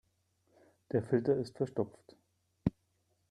Der Filter ist verstopft.